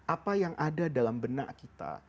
apa yang ada dalam benak kita